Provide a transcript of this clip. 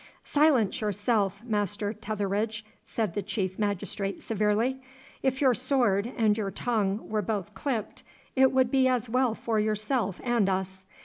'Silence yourself, Master Tetheridge,' said the chief magistrate severely. 'If your sword and your tongue were both clipped, it would be as well for yourself and us.